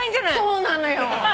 そうなのよ。